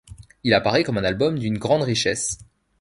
Il apparaît comme un album d'une grande richesse.